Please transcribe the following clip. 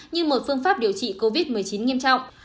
như một phương pháp điều trị covid một mươi chín nghiêm trọng